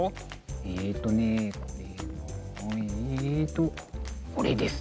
えっとねえっとこれです。